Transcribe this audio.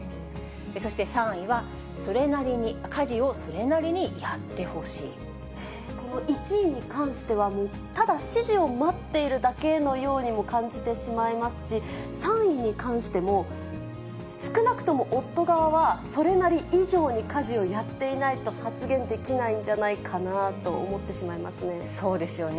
そして３位は、この１位に関しては、もうただ指示を待っているだけのようにも感じてしまいますし、３位に関しても、少なくとも夫側は、それなり以上に家事をやっていないと発言できないんじゃないかなそうですよね。